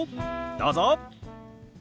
どうぞ。